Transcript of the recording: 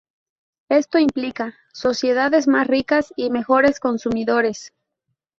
Esto implica: sociedades más ricas y mejores consumidores.